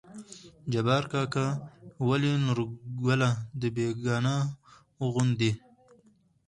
جبار کاکا: ولې نورګله د بيګانه وو غوندې